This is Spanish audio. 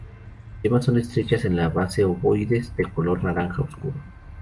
Las yemas son estrechas en la base ovoides, de color naranja oscuro.